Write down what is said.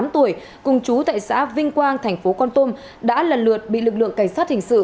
một mươi tám tuổi cùng chú tại xã vinh quang thành phố con tôm đã lần lượt bị lực lượng cảnh sát hình sự